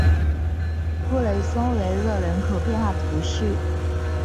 布雷松维勒人口变化图示